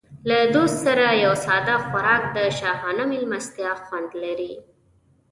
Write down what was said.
له دوست سره یو ساده خوراک د شاهانه مېلمستیا خوند لري.